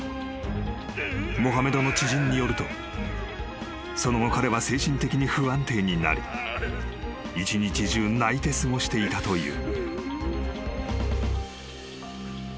［モハメドの知人によるとその後彼は精神的に不安定になり一日中泣いて過ごしていたという］